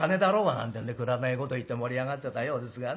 なんてんでくだらないこと言って盛り上がってたようですがね。